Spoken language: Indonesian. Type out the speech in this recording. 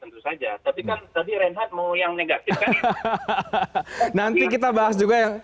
tapi kan tadi reinhardt mau yang negatif kan